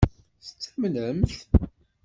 Tettamnemt-t?